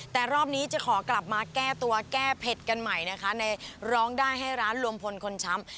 แต่รอบนี้จะขอกลับมาแก้ตัวแก้เผ็ดกันใหม่นะคะในร้องได้ให้ร้านรวมพลคนช้ำ